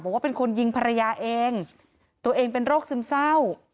บอกว่าเป็นคนยิงภรรยาเองตัวเองเป็นโรคซึมเศร้า